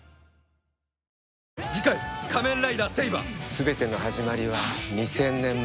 全ての始まりは２０００年前。